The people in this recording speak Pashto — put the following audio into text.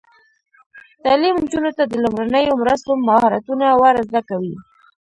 تعلیم نجونو ته د لومړنیو مرستو مهارتونه ور زده کوي.